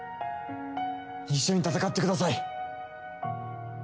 一緒に戦ってください！